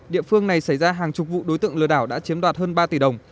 địa phương này xảy ra hàng chục vụ đối tượng lừa đảo đã chiếm đoạt hơn ba tỷ đồng